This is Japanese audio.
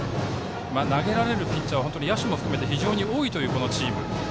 投げられるピッチャーは野手も含めて非常に多いというこのチーム。